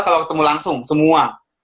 kalau ketemu langsung semua